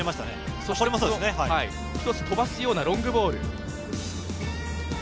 そして１つ飛ばすようなロングボール。